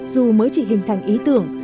dù mới chỉ hình thành ý tưởng